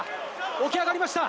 起き上がりました。